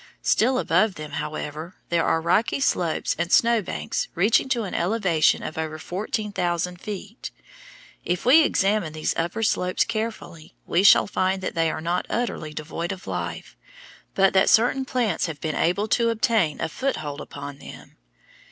Still above them, however, there are rocky slopes and snow banks reaching to an elevation of over fourteen thousand feet. If we examine these upper slopes carefully we shall find that they are not utterly devoid of life, but that certain plants have been able to obtain a foothold upon them.